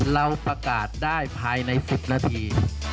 เราประกาศได้ภายใน๑๐นาที